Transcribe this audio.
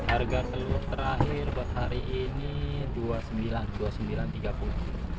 harga telur terakhir buat hari ini dua puluh sembilan rupiah